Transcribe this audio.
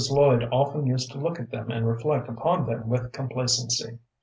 Lloyd often used to look at them and reflect upon them with complacency.